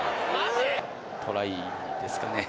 トライですかね。